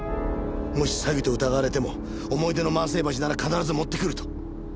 もし詐欺と疑われても思い出の万世橋なら必ず持ってくると。